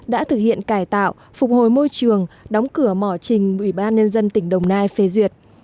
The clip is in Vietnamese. đã thực hiện cải tạo phục hồi môi trường đóng cửa mỏ trình ủy ban nhân dân tỉnh đồng nai phê duyệt